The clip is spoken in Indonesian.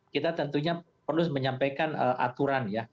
kita tentunya perlu menyampaikan aturan ya